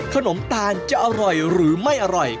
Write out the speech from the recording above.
ขนมตาลจะอร่อยหรือไม่อร่อย